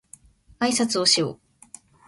あいさつをしよう